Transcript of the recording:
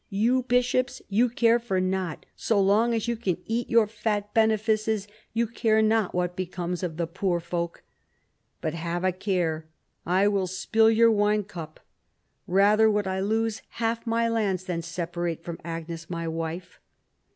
"You bishops, you care for nought; so long as you can eat your fat benefices you care not what becomes of the poor folk. But have a care, I will spill your wine cup. Rather would I lose half my lands than separate from Agnes my wife."